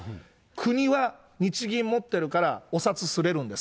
国は日銀持ってるから、お札刷れるんです。